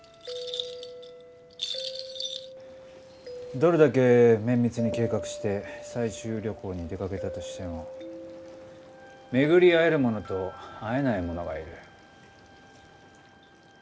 どれだけ綿密に計画して採集旅行に出かけたとしても巡り会える者と会えない者がいる。